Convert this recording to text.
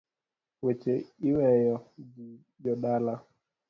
Weche iweyo, ji jodala.